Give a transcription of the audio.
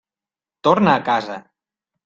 Torna a casa.